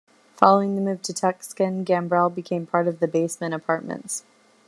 Following the move to Tucson, Gambrell became part of The Basement Apartments.